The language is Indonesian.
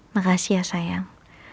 makasih ya sayang